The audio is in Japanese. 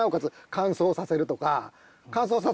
乾燥させると。